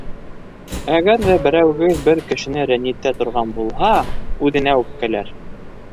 Әгәр ҙә берәүегеҙ бер кешене рәнйетә торған булһа, үҙенә үпкәләр.